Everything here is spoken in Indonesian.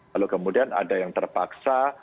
lalu kemudian ada yang terpaksa